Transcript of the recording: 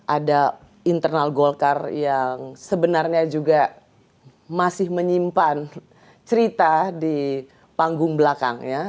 ada internal golkar yang sebenarnya juga masih menyimpan cerita di panggung belakang ya